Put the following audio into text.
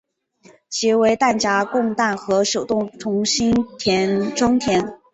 其为弹匣供弹和手动重新装填。